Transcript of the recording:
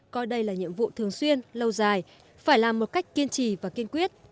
coi đây là nhiệm vụ thường xuyên lâu dài phải làm một cách kiên trì và kiên quyết